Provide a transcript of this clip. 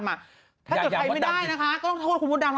ถ้าเกิดใครไม่ได้นะคะก็ต้องโทษคุณมดดำ